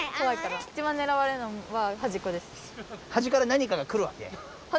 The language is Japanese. はじから何かが来るわけ？